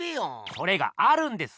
それがあるんです！